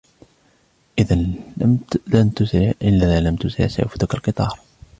إذا لم تسرع سيفوتك القطار.